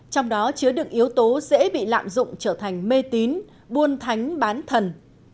trong đó chứa được yếu tố dễ bị lạm dụng trở thành mê tín buôn thánh bán thần